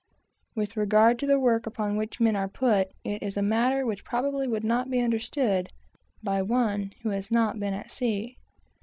With regard to the work upon which the men are put, it is a matter which probably would not be understood by one who has not been at sea.